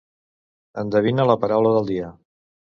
endevina la paraula del dia